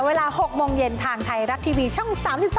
เวลา๖โมงเย็นทางไทยรัฐทีวีช่อง๓๒